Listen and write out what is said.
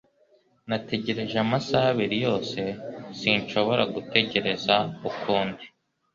Nategereje amasaha abiri yose Sinshobora gutegereza ukundi